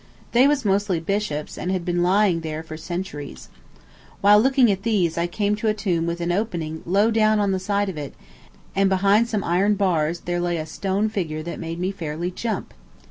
They was mostly bishops, and had been lying there for centuries. While looking at these I came to a tomb with an opening low down on the side of it, and behind some iron bars there lay a stone figure that made me fairly jump.